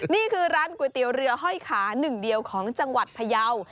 นี่คือร้านก๋วยเตี๋ยวเรือห้อยขาหนึ่งเดียวของจังหวัดพยาว